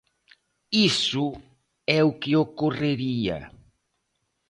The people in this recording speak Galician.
Iso é o que ocorrería.